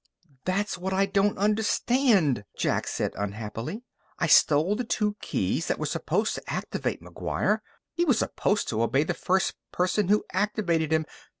"That's what I don't understand!" Jack said unhappily. "I stole the two keys that were supposed to activate McGuire. He was supposed to obey the first person who activated him.